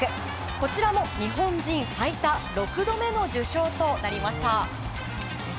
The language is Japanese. こちらも日本人最多６度目の受賞となりました。